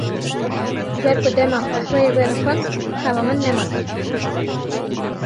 Ji ber ku dema qehweyê vedixwim xewa min nema tê.